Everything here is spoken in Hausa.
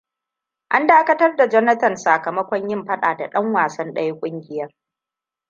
An dakatar da Jonathan sakamokn yin faɗa da ɗan wasan ɗaya ƙungiyar.